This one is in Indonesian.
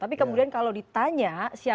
tapi kemudian kalau ditanya siapa